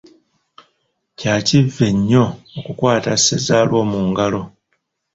Kya kivve nnyo okukwata ssezaalwo mu ngalo.